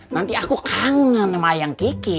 nanti aku kangen sama yang kiki